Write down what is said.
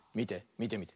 みてみて。